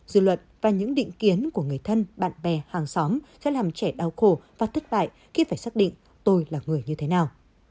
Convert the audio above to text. dư luận và những định kiến của người thân bạn bè hàng xóm sẽ làm trẻ đau khổ và thất bại khi phải xác định tôi là người như thế nào